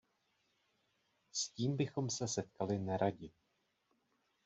S tím bychom se setkali neradi.